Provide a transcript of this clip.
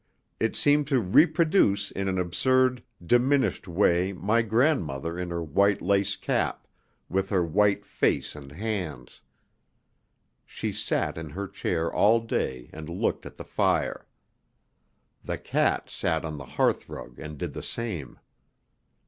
It seemed to reproduce in an absurd, diminished way my grandmother in her white lace cap, with her white face and hands. She sat in her chair all day and looked at the fire. The cat sat on the hearthrug and did the same.